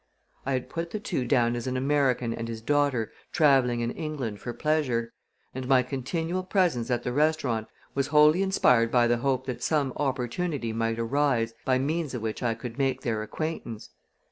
I had put the two down as an American and his daughter traveling in England for pleasure; and my continual presence at the restaurant was wholly inspired by the hope that some opportunity might arise by means of which I could make their acquaintance.